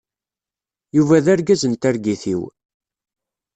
Yuba d argaz n targit-iw.